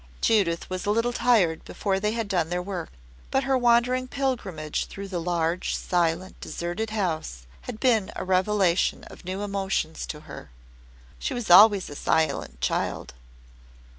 Judith was a little tired before they had done their work. But her wandering pilgrimage through the large, silent, deserted house had been a revelation of new emotions to her. She was always a silent child.